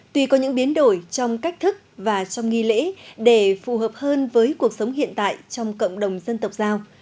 tùy có những biến đổi trong cách thức và trong nghi lễ để phù hợp hơn với cuộc sống hiện tại trong cộng đồng dân tộc giao